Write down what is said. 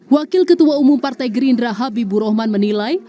wakil ketua umum partai gerindra habibur rahman menilai